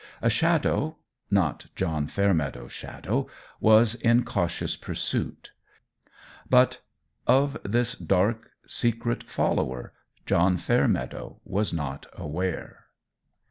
A shadow not John Fairmeadow's shadow was in cautious pursuit; but of this dark, secret follower John Fairmeadow was not aware.